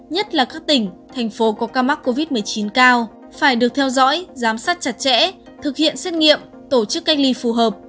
nhất là các tỉnh thành phố có ca mắc covid một mươi chín cao phải được theo dõi giám sát chặt chẽ thực hiện xét nghiệm tổ chức cách ly phù hợp